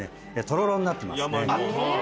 とろろになってますね。